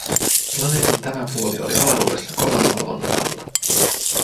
Planeetan tämä puoli oli avaruudessa kovan valvonnan alla.